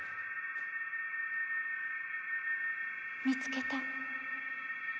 見つけた。